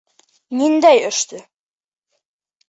Ниндәй эште?